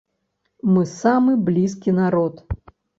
Мы самы блізкі народ.